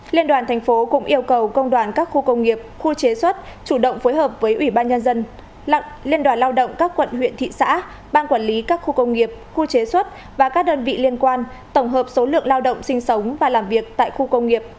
liên đoàn thành phố cũng yêu cầu công đoàn các khu công nghiệp khu chế xuất chủ động phối hợp với ủy ban nhân dân liên đoàn lao động các quận huyện thị xã ban quản lý các khu công nghiệp khu chế xuất và các đơn vị liên quan tổng hợp số lượng lao động sinh sống và làm việc tại khu công nghiệp